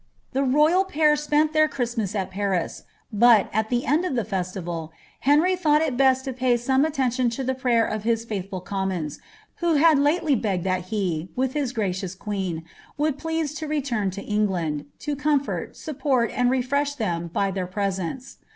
The ro3ral pair spent their Christmas at Paris ; but, at the end of the fintivaU Henry thought it best to pay some attention to the prayer of kis fiiithful commons, who had lately begged that he, with his gracious queen, would please to return to England, to comfort, support, and re fresh them by their presence.'